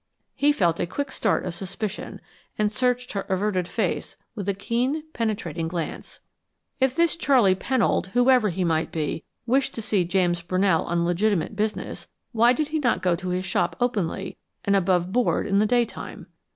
He felt a quick start of suspicion, and searched her averted face with a keen, penetrating glance. If this Charley Pennold, whoever he might be, wished to see James Brunell on legitimate business, why did he not go to his shop openly and above board in the day time?